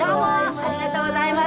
ありがとうございます。